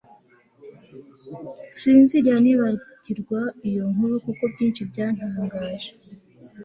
sinzigera nibagirwa iyo nkuru kuko byinshi byantangaje